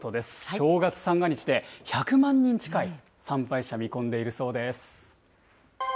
正月三が日で１００万人近い参拝者、見込んでいるそうです。